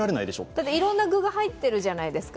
だっていろんな具が入ってるじゃないですか。